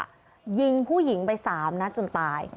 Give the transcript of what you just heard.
คุยกับผู้หญิงผู้หญิงไปสามนะจนตาย